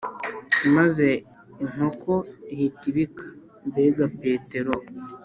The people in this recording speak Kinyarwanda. maze inkoko ihita ibika mbega petero,